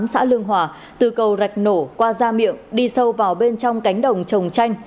xã lương hòa từ cầu rạch nổ qua gia miệng đi sâu vào bên trong cánh đồng trồng chanh